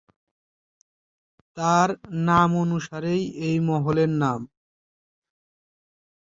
তাঁর নামানুসারেই এই মহলের নাম।